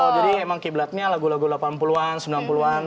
jadi emang kiblatnya lagu lagu delapan puluh an sembilan puluh an